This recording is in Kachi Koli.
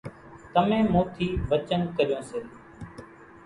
تمين مون ٿي وچن ڪريون سي